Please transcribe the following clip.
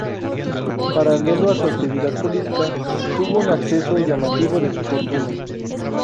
Paralelo a su actividad política tuvo un ascenso llamativo de su fortuna.